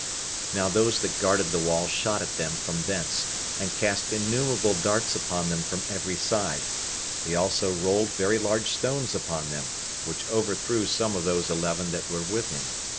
Now those that guarded the wall shot at them from thence, and cast innumerable darts upon them from every side; they also rolled very large stones upon them, which overthrew some of those eleven that were with him.